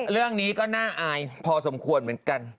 เรื่องนี้ก็น่าอายพอสมควรเหมือนกัน